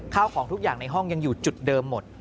ข้าวของทุกอย่างในห้องยังอยู่จุดเดิมหมด